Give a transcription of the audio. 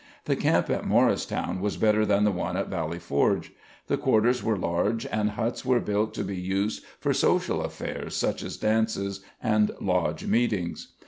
The camp at Morristown was better than the one at Valley Forge. The quarters were large and huts were built to be used for social affairs such as dances and lodge meetings.